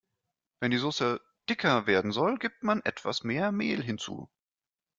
Wenn die Soße dicker werden soll, gibt man etwas mehr Mehl hinzu.